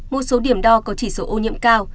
một số điểm đo có chỉ số ô nhiễm cao